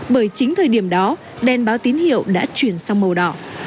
bởi chính thời điểm đó đèn báo tín hiệu đã chuyển sang màu đỏ